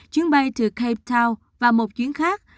chuyến bay từ cape town và một chuyến khác